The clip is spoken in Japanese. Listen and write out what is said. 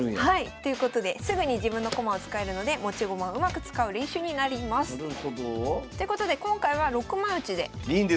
ということですぐに自分の駒を使えるので持ち駒をうまく使う練習になります。ということでなるほど。